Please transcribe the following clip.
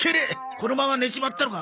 このまま寝ちまったのか。